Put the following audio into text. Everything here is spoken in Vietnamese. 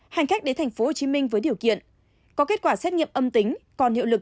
hành khách đến tp hcm với điều kiện có kết quả xét nghiệm âm tính còn hiệu lực